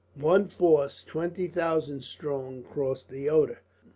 One force, twenty thousand strong, crossed the Oder.